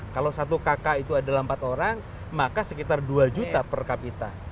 kalau satu kakak itu adalah empat orang maka sekitar dua juta per kapita